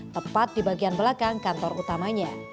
tepat di bagian belakang kantor utamanya